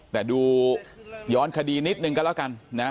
แต่ดูย้อนคดีนิดนึงก็แล้วกันนะ